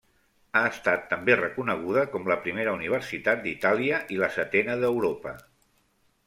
Ha estat també reconeguda com la primera universitat d'Itàlia i la setena d'Europa.